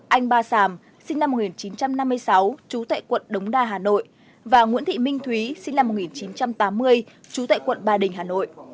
anh ba sàm sinh năm một nghìn chín trăm năm mươi sáu trú tại quận đống đa hà nội và nguyễn thị minh thúy sinh năm một nghìn chín trăm tám mươi trú tại quận ba đình hà nội